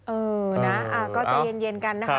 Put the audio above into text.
เออนะก็ใจเย็นกันนะคะ